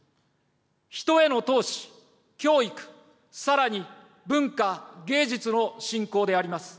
人への投資、教育、さらに文化、芸術の振興であります。